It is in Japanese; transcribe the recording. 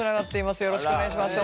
よろしくお願いします。